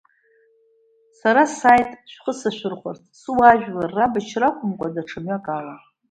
Сара сааит шәхы сашәырхәарц, суаажәлар рабашьра акәымкәа даҽа мҩак ала.